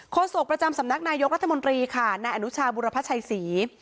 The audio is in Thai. โคสโตประจำสำนักนายกรัฐมนตรีอบุรพชัยศรี